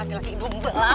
lagi lagi hidup belam